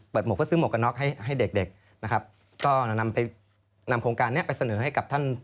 เปิดหมวกเพื่อซื้อหมวกกะน็อกให้เด็ก